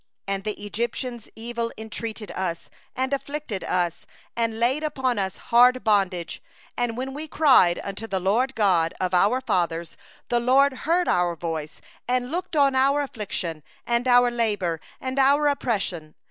6And the Egyptians dealt ill with us, and afflicted us, and laid upon us hard bondage. 7And we cried unto the LORD, the God of our fathers, and the LORD heard our voice, and saw our affliction, and our toil, and our oppression.